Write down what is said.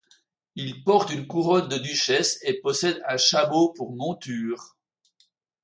Il porte une couronne de duchesse et possède un chameau pour monture.